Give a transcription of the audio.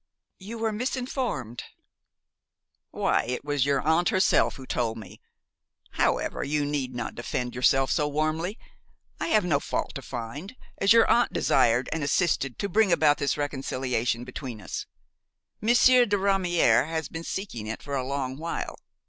"You were misinformed." "Why, it was your aunt herself who told me! However, you need not defend yourself so warmly; I have no fault to find, as your aunt desired and assisted to bring about this reconciliation between us. Monsieur de Ramière has been seeking it for a long while.